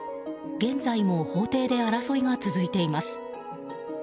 現在も法廷で争いが続いています。